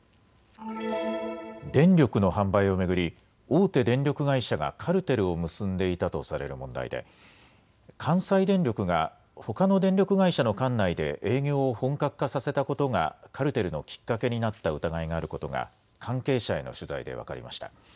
電力の販売を巡り大手電力会社がカルテルを結んでいたとされる問題で関西電力がほかの電力会社の管内で営業を本格化させたことがカルテルのきっかけになった疑いがあることが関係者への取材で分かりました。